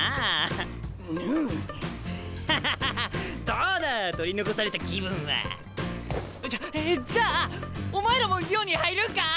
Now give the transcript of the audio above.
どうだ取り残された気分は？じゃえじゃあお前らも寮に入るんか？